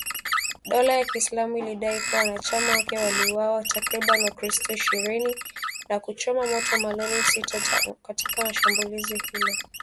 Dola ya kiislamu ilidai kuwa wanachama wake waliwauwa takribani wakristo ishirini, na kuchoma moto malori sita katika shambulizi hilo kwa kutumia bunduki za rashasha